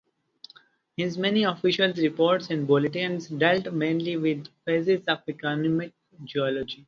His many official reports and bulletins dealt mainly with phases of economic geology.